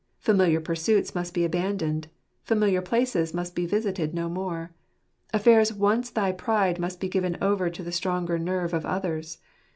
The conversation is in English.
Familiar pursuits must be abandoned. Familiar places must be visited no more. Affairs once thy pride must be given over to the stronger nerve of others.